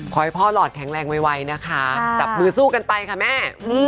ขอให้พ่อหลอดแข็งแรงไวนะคะจับมือสู้กันไปค่ะแม่